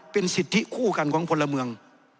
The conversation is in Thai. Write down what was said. เป็นสิทธิคู่กันของพลเมือง